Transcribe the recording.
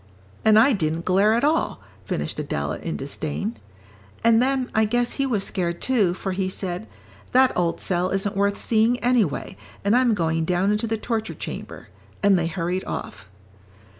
And I didn't glare at all," finished Adela, in disdain. "And then I guess he was scared, too, for he said, 'That old cell isn't worth seeing, anyway, and I'm going down into the torture chamber,' and they hurried off."